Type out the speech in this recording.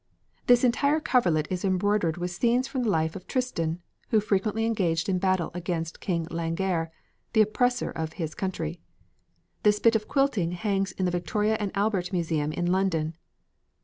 This entire coverlet is embroidered with scenes from the life of Tristan, who frequently engaged in battle against King Langair, the oppressor of his country. This bit of quilting hangs in the Victoria and Albert Museum in London.